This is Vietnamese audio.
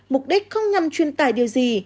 mục đích không nhằm chuyên tài điều gì